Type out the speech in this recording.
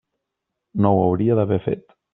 No ho hauria d'haver fet.